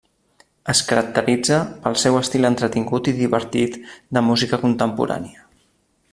Es caracteritza pel seu estil entretingut i divertit de música contemporània.